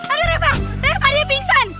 aduh reva reva dia bingsan